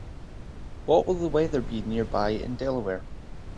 What will the weather be nearby in Delaware?